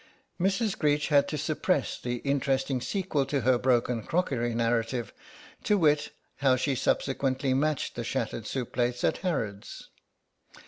Mrs. Greech had to suppress the interesting sequel to her broken crockery narrative, to wit, how she subsequently matched the shattered soup plates at Harrod's.